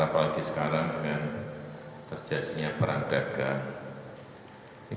apalagi sekarang dengan terjadinya perang dagang